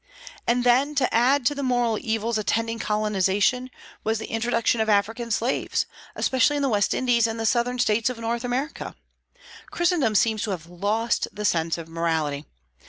And then, to add to the moral evils attending colonization, was the introduction of African slaves, especially in the West Indies and the Southern States of North America. Christendom seems to have lost the sense of morality.